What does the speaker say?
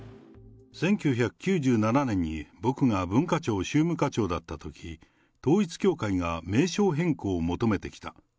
１９９７年に、僕が文化庁宗務課長だったときに、統一教会が名称変更を求めてきた。